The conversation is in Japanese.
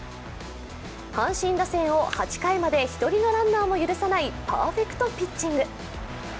阪神打線を８回まで１人のランナーも許さないパーフェクトピッチング。